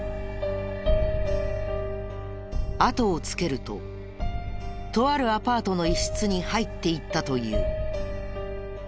あとをつけるととあるアパートの一室に入っていったという。